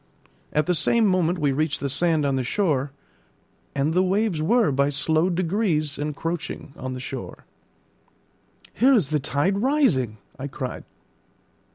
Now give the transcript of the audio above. At the same moment we reached the sand on the shore, and the waves were by slow degrees encroaching on the shore. "Here is the tide rising," I cried.